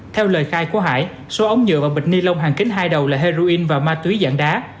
theo lời khai của hải số ống nhựa và bịch ni lông hàng kính hai đầu là heroin và ma túy dạng đá